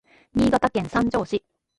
Niigataken sanjo si